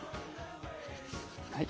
はい。